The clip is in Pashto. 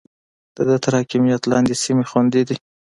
د ده تر حاکميت لاندې سيمې خوندي دي.